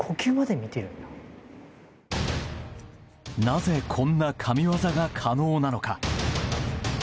なぜこんな神業が可能なのか。